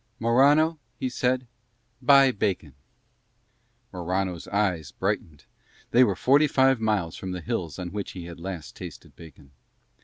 "Morano," he said, "buy bacon." Morano's eyes brightened: they were forty five miles from the hills on which he had last tasted bacon.